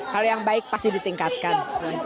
kalau yang baik pasti ditingkatkan